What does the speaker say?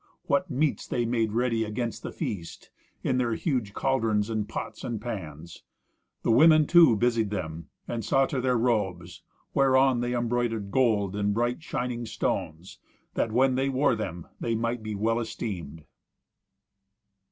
what meats they made ready against the feast, in their huge cauldrons and pots and pans. The women too busied them, and saw to their robes, whereon they embroidered gold and bright shining stones, that, when they wore them, they might be well esteemed.